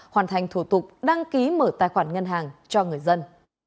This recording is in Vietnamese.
hoàn thành thủ tục đăng ký mở tài khoản ngân hàng cho người dân